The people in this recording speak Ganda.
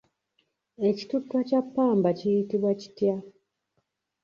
Ekituttwa kya ppamba kiyitibwa kitya?